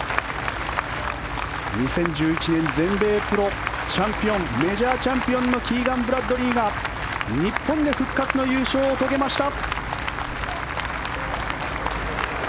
２０１１年全米プロチャンピオンメジャーチャンピオンのキーガン・ブラッドリーが日本で復活の優勝を遂げました。